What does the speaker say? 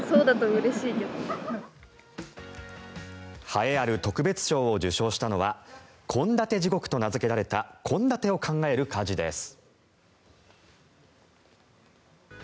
栄えある特別賞を受賞したのは献立地獄と名付けられた献立を考える家事です。